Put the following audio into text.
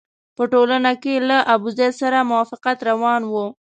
په ټولنه کې له ابوزید سره موافقت روان وو.